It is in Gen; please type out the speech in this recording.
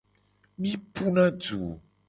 Mi puna du .